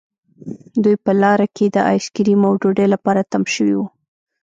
دوی په لاره کې د آیس کریم او ډوډۍ لپاره تم شوي وو